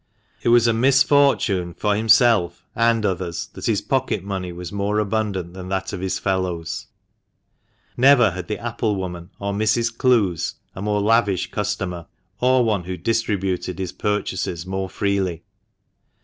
It was a misfortune for himself and others that his pocket money was more abundant than that of his fellows. Never had the apple woman or Mrs, Clowes a more lavish customer, or one who THE MANCHESTER MAN. 91 distributed his purchases more freely.